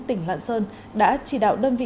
tỉnh lạng sơn đã chỉ đạo đơn vị